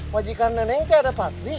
majikan neneknya ada party di rumah